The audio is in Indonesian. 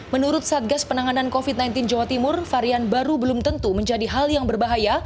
menurut satgas penanganan covid sembilan belas jawa timur varian baru belum tentu menjadi hal yang berbahaya